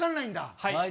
はい。